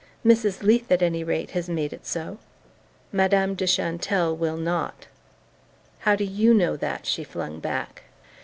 "Mrs. Leath, at any rate, has made it so." "Madame de Chantelle will not." "How do YOU know that?" she flung back.